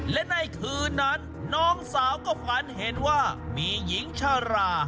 และในคืนนั้นน้องสาวก็ฝันเห็นว่ามีหญิงชารา